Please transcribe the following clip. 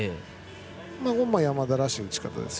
今のは山田らしい打ち方です。